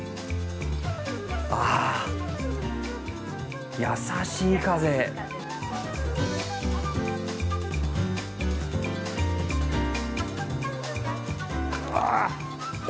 あ優しい風。あっ。